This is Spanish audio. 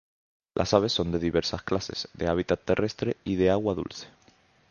Las aves son de diversas clases: de hábitat terrestre y de agua dulce.